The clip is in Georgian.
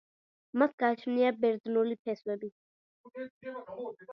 მას გააჩნია ბერძნული ფესვები.